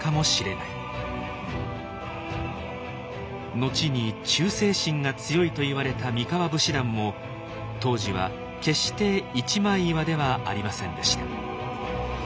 後に忠誠心が強いといわれた三河武士団も当時は決して一枚岩ではありませんでした。